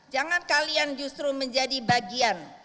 jangan kalian justru menjadi bagian